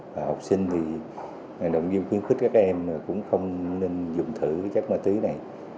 học sinh thì đồng nhiên khuyến khích các em cũng không nên dùng thử chất ma túy này